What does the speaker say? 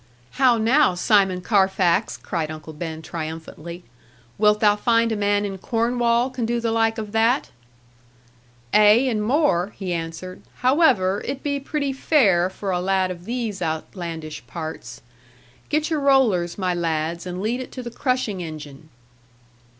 'How now, Simon Carfax?' cried Uncle Ben triumphantly; 'wilt thou find a man in Cornwall can do the like of that?' 'Ay, and more,' he answered; 'however, it be pretty fair for a lad of these outlandish parts. Get your rollers, my lads, and lead it to the crushing engine.'